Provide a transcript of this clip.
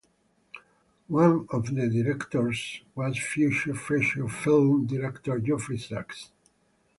One of the directors was future feature film director Geoffrey Sax.